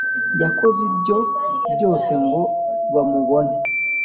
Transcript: yakoze ibyo byose ngo bamubone